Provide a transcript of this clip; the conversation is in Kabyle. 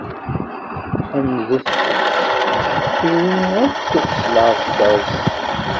Ḥemdet- t, kunwi akk s lɛesker-is!